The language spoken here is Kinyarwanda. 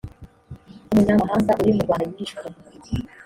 umunyamahanga uri mu rwanda yishwe